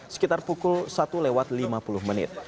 sekitar pukul satu lewat lima puluh menit